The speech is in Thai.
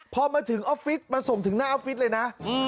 พอมาถึงออฟฟิศมาส่งถึงหน้าออฟฟิศเลยนะ